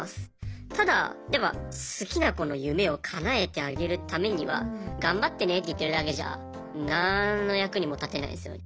ただやっぱ好きな子の夢をかなえてあげるためには頑張ってねって言ってるだけじゃ何の役にも立てないですよね。